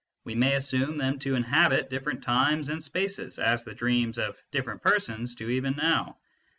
We may assume them to inhabit different times and spaces, as the dreams of different persons do even now.